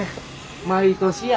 毎年や。